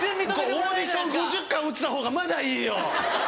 オーディション５０回落ちたほうがまだいいよ！